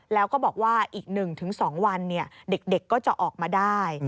แล้วก็บอกว่าอีก๑๒วันเด็กก็จะออกมาได้